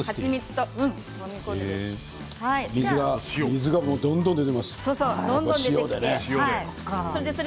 水がどんどん出ています。